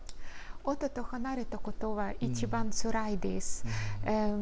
夫と離れたことは、一番つらいです。